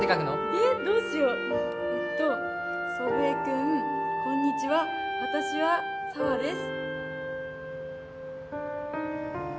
えっどうしようえっと「祖父江君こんにちは私は紗羽です」